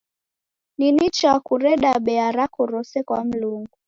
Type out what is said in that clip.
Ni nicha kureda bea rako rose kwa Mlungu.